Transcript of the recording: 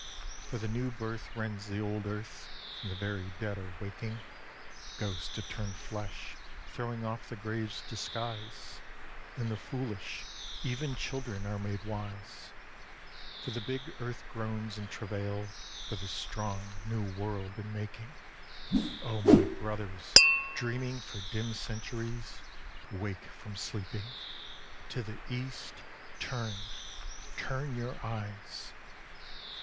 For the new birth rends the old earth and the very dead are waking, Ghosts are turned flesh, throwing off the grave's disguise, And the foolish, even children, are made wise; For the big earth groans in travail for the strong, new world in making O my brothers, dreaming for dim centuries, Wake from sleeping; to the East turn, turn your eyes!